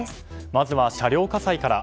まずは車両火災から。